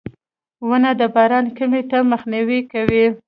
• ونه د باران کمي ته مخنیوی کوي.